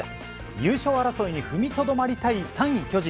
優勝争いに踏みとどまりたい３位巨人。